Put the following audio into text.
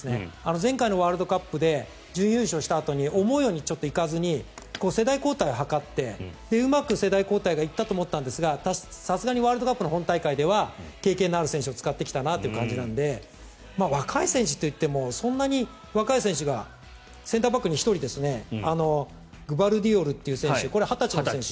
前回のワールドカップで準優勝したあとに思うようにいかずに世代交代を図ってうまく世代交代が行ったと思ったんですがさすがにワールドカップの本大会では経験のある選手を使ってきたなという感じなので若い選手といってもそんなに若い選手がセンターバックに１人グバルディオルって選手これ、２０歳の選手